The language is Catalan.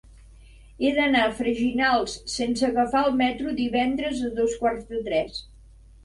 He d'anar a Freginals sense agafar el metro divendres a dos quarts de tres.